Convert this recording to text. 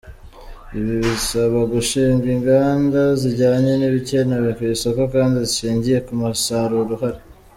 Ibi bisaba gushinga inganda zijyanye n’ibikenewe ku isoko kandi zishingiye ku musaruro uhari.